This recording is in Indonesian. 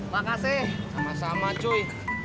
makasih sama sama cuy